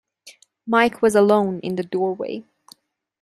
Mike was alone in the doorway.